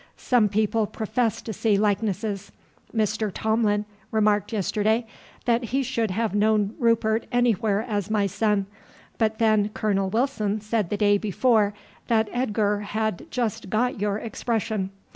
Some people profess to see likenesses. Mr. Tomline remarked yesterday that he should have known Rupert anywhere as my son, but then Colonel Wilson said the day before that Edgar had got just your expression.